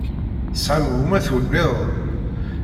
Tesɛam gma-twen-nniḍen?